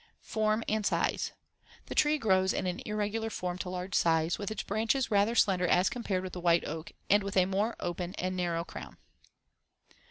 Form and size: The tree grows in an irregular form to large size, with its branches rather slender as compared with the white oak and with a more open and narrow crown.